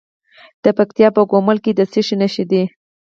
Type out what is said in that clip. د پکتیکا په ګومل کې د څه شي نښې دي؟